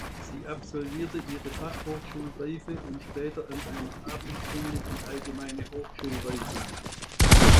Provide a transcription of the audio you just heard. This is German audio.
Sie absolvierte ihre Fachhochschulreife und später an einer Abendschule die allgemeine Hochschulreife.